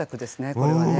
これはね。